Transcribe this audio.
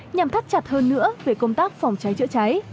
nhằm thắt chặt hơn nữa về công tác phòng cháy chữa cháy